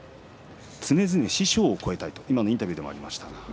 常々、師匠を超えたいと今のインタビューでもありましたが。